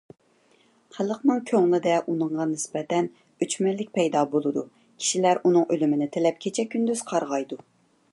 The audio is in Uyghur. خەلقنىڭ كۆڭلىدە ئۇنىڭغا نىسبەتەن ئۆچمەنلىك پەيدا بولىدۇ. كىشىلەر ئۇنىڭ ئۆلۈمىنى تىلەپ كېچە - كۈندۈز قارغايدۇ.